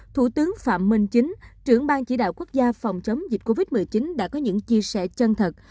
thủ tướng phạm minh chính trưởng ban chỉ đạo quốc gia phòng chống dịch covid một mươi chín đã có những chia sẻ chân thật